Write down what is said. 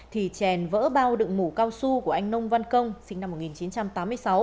thì chèn vỡ bao đựng mủ cao su của anh nông văn công sinh năm một nghìn chín trăm tám mươi sáu